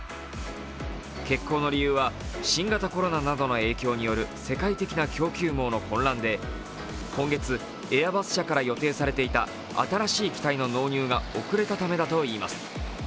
欠航の理由は新型コロナなどの影響による世界的な供給網の混乱で今月エアバス社から予定していた新しい機体の納入が遅れたためだといいます。